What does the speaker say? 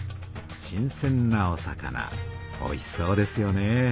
新せんなお魚おいしそうですよね。